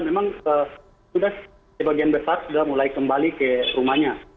memang sudah sebagian besar sudah mulai kembali ke rumahnya